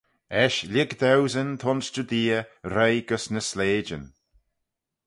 Eisht lhig dauesyn t'ayns Judea, roie gys ny sleityn.